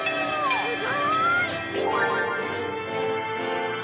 すごーい！